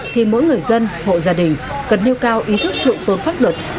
thì mỗi người dân hộ gia đình cần nêu cao ý thức sự tôn pháp luật